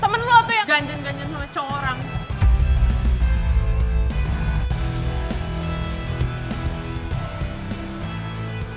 temen lo tuh yang ganjen ganjen sama cowok orang